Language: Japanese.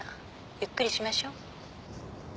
ゆっくりしましょう。